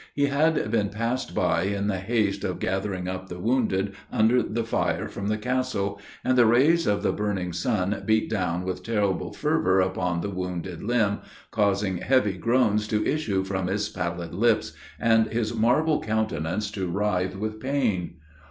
He had been passed by in the haste of gathering up the wounded under the fire from the castle, and the rays of the burning sun beat down with terrible fervor upon the wounded limb, causing heavy groans to issue from his pallid lips, and his marble countenance to writhe with pain.